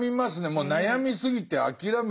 もう悩みすぎて諦めてる。